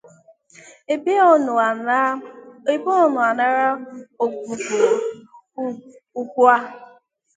ebe ọ nọ anara ọgwụgwọ ugbua